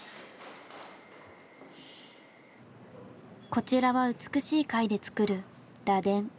こちらは美しい貝で作る螺鈿。